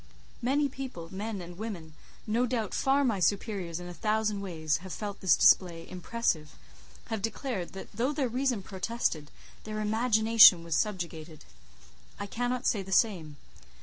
Many people—men and women—no doubt far my superiors in a thousand ways, have felt this display impressive, have declared that though their Reason protested, their Imagination was subjugated. I cannot say the same.